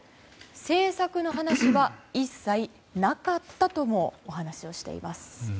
政策の話は一切なかったともお話をしています。